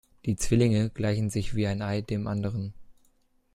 Die Zwillinge gleichen sich wie ein Ei dem anderen.